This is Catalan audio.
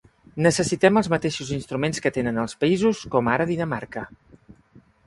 Necessitem els mateixos instruments que tenen els països com ara Dinamarca.